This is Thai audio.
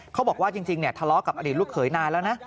เขาบอกว่าจริงทะเลาะกับอดีตลูกเขยนานแล้วนะ